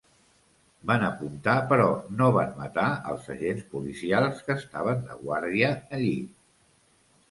Van apuntar però no van matar als agents policials que estaven de guàrdia allí.